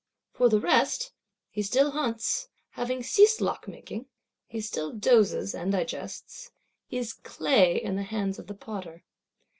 For the rest, he still hunts, having ceased lockmaking; he still dozes, and digests; is clay in the hands of the potter.